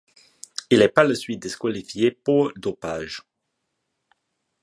Il est par la suite disqualifié pour dopage.